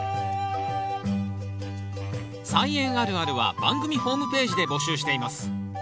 「菜園あるある」は番組ホームページで募集しています。